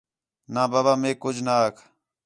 نہ بابا میک کُج نہ آکھ